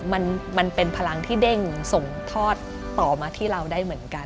มันเป็นพลังที่เด้งส่งทอดต่อมาที่เราได้เหมือนกัน